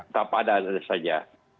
tak pada saja